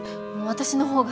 私の方が。